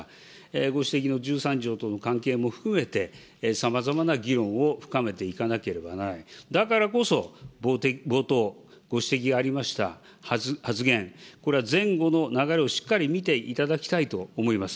ご指摘の１３条との関係も含めて、さまざまな議論を深めていかなければならない、だからこそ、冒頭、ご指摘がありました発言、これは前後の流れをしっかり見ていただきたいと思います。